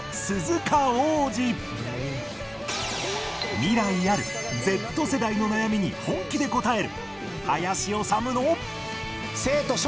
未来ある Ｚ 世代の悩みに本気で答える『林修の』